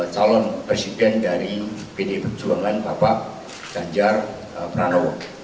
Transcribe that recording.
calon presiden dari pdi perjuangan bapak ganjar pranowo